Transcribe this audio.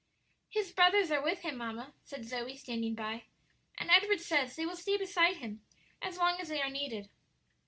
"His brothers are with him, mamma," said Zoe, standing by; "and Edward says they will stay beside him as long as they are needed."